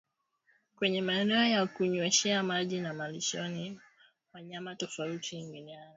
Kwenye maeneo ya kunyweshea maji na malishoni wanyama tofauti huingiliana